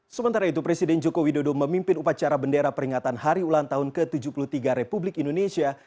sementara itu presiden joko widodo memimpin upacara bendera peringatan hari ulang tahun ke tujuh puluh tiga republik indonesia